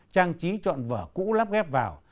trang trí chọn vở cũ lắp ghép vào